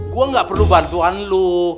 gue gak perlu bantuan lo